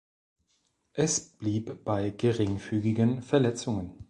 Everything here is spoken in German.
Es blieb bei geringfügigen Verletzungen.